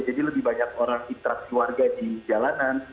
jadi lebih banyak orang interaksi warga di jalanan